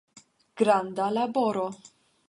Granda laboro.